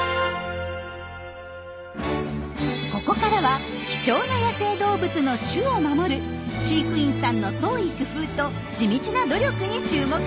ここからは貴重な野生動物の種を守る飼育員さんの創意工夫と地道な努力に注目します！